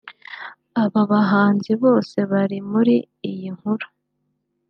Aba bahanzi bose bari muri iyi nkuru